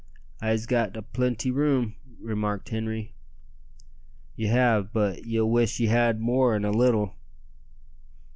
"I'se got a plenty room," remarked Henri. "Ye have, but ye'll wish ye had more in a little."